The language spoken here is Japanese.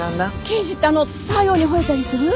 刑事ってあの太陽にほえたりする？